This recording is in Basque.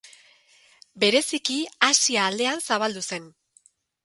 Bereziki Asia aldean zabaldu zen.